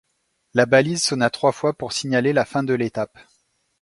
La balise sonna trois fois pour signaler la fin de l'étape.